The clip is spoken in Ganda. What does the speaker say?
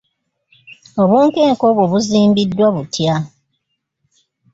Obunkenke obwo buzimbiddwa butya?